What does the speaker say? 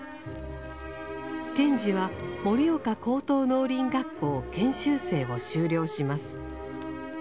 賢治は盛岡高等農林学校研修生を修了します。